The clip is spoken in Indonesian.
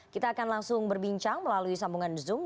kita akan langsung berbincang melalui sambungan zoom